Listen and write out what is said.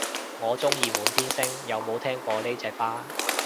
我鍾意滿天星，有冇聽過呢隻花